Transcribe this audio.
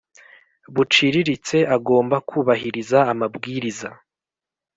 buciriritse agomba kubahiriza amabwiriza